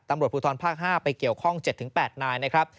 ตำรวจภูทรภาค๕ไปเกี่ยวข้อง๗๘นายนะครับ